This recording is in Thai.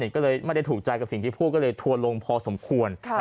ก็เลยไม่ได้ถูกใจกับสิ่งที่พูดก็เลยทัวร์ลงพอสมควร